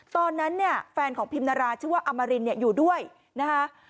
ตอนนั้นเนี่ยแฟนของพิมนาราชื่อว่าอมรินเนี่ยอยู่ด้วยนะคะ